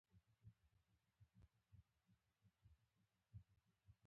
د قوي ځواک مثال جاذبه ده.